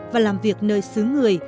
và làm việc nơi xứ người